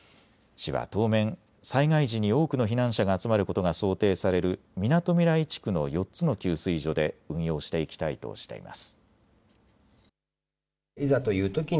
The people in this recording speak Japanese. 市は当面、災害時に多くの避難者が集まることが想定されるみなとみらい地区の４つの給水所で運用していきたいとしています。